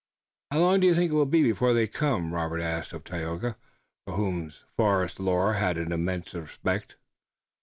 "How long do you think it will be before they come?" Robert asked of Tayoga, for whose forest lore he had an immense respect.